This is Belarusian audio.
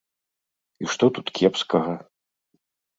І што тут кепскага?